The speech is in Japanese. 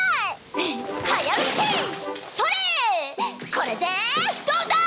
これでどうだ！